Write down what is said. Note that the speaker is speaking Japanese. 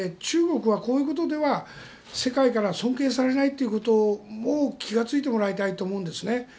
中国はこういうことでは世界から尊敬されないってことをもう気がついてもらいたいと思うんですね。